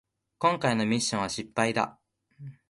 こんかいのミッションは失敗だ